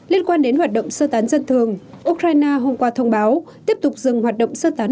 liên quan đến hoạt động sơ tán dân thường ukraine hôm qua thông báo tiếp tục dừng hoạt động sơ tán